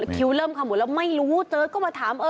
คิ้วเริ่มขมุดแล้วไม่รู้เจอก็มาถาม